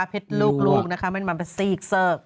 เพชรลูกมันมาสีกเสิร์ก